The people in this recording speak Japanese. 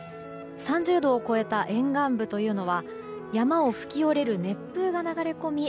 ３０度を超えた沿岸部というのは山を吹き下りる熱風が流れ込み